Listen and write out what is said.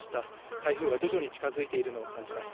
台風が徐々に近づいているのを感じます。